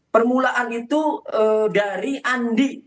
permulaan itu dari andi